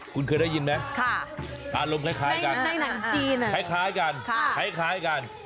ครูเคยได้ยินมั้ยอารมณ์คล้ายกัน